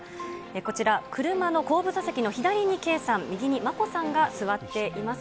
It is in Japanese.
こちら、車の後部座席の左に圭さん、右に眞子さんが座っています。